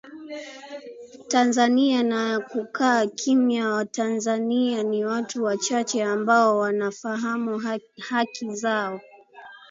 tanzania na ya kukaa kimya watanzania ni watu wachache ambao wanafahamu haki zao